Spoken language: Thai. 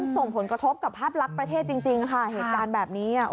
ส่งผลกระทบกับภาพลักษณ์ประเทศจริงค่ะเหตุการณ์แบบนี้